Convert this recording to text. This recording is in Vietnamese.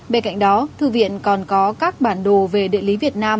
bên cạnh đó thư viện còn có các bản đồ về địa lý việt nam